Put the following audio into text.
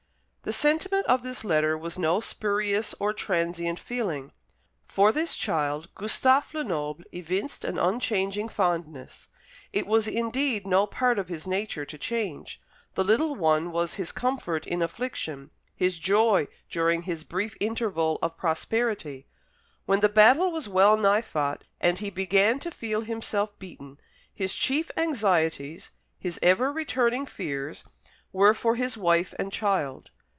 The sentiment of this letter was no spurious or transient feeling. For this child Gustave Lenoble evinced an unchanging fondness. It was indeed no part of his nature to change. The little one was his comfort in affliction, his joy during every brief interval of prosperity. When the battle was well nigh fought, and he began to feel himself beaten; his chief anxieties, his ever returning fears, were for his wife and child.